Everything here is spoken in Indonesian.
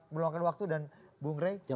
meluangkan waktu dan bung rey